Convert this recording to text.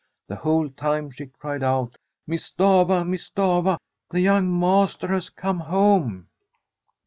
The whole time she cried out, ' Miss Stafva, Miss Stafva ! the young master has come home